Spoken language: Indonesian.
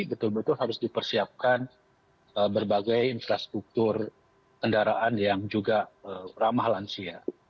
betul betul harus dipersiapkan berbagai infrastruktur kendaraan yang juga ramah lansia